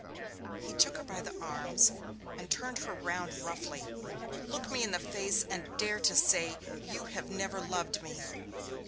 He took her by the arms and turned her round roughly. 'Look me in the face and dare to say you have never loved me.'